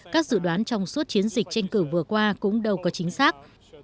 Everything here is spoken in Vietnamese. các dự đoán trong suốt chiến dịch tranh cử vừa qua cũng đâu có chính xác